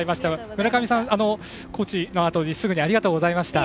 村上さん、コーチのあとすぐにありがとうございました。